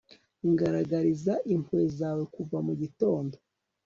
ngaragariza impuhwe zawe kuva mu gitondo